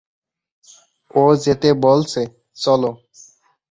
ও যেতে বলছে, চলো।